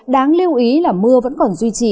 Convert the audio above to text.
đáng lưu ý là mưa vẫn còn duy trì